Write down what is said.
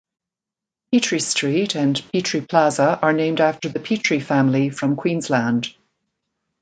Petrie Street and Petrie Plaza are named after the Petrie family from Queensland.